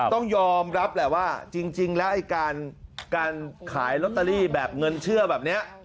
ต้องยอมรับแหละว่าจริงแล้วไอ้การขายลอตเตอรี่แบบเงินเชื่อแบบนี้